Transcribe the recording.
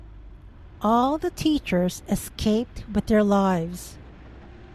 All the teachers escaped with their lives.